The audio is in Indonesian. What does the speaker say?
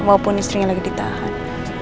walaupun istrinya lagi ditahan